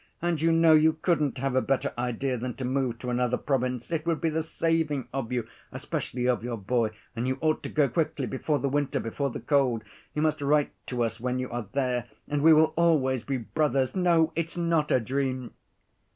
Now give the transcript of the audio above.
And you know you couldn't have a better idea than to move to another province! It would be the saving of you, especially of your boy—and you ought to go quickly, before the winter, before the cold. You must write to us when you are there, and we will always be brothers.... No, it's not a dream!"